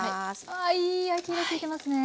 ああいい焼き色ついてますね！